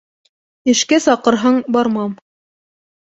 Эшкә саҡырһаң бармам